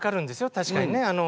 確かにね。